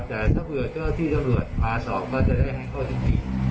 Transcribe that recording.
แต่ที่จะเบือดพาสอบมาจะได้แค่๓๐ปี